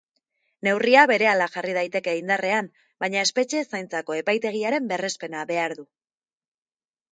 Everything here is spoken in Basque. Neurria berehala jarri daiteke indarrean, baina espetxe zaintzako epaitegiaren berrespena behar du.